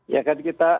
ya tadi kita